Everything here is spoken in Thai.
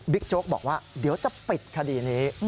โจ๊กบอกว่าเดี๋ยวจะปิดคดีนี้